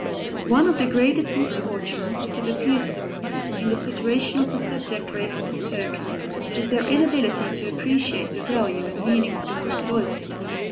One of the greatest misfortunes, as it appears to me, in the situation of the subject races in Turkey, is their inability to appreciate the value and meaning of the word "loyalty."